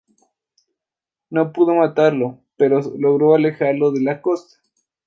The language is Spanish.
No pudo matarlo, pero logró alejarlo de la costa.